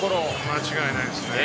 間違いないですね。